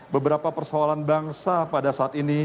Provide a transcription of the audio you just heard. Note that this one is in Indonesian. beberapa persoalan bangsa pada saat ini